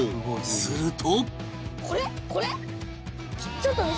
すると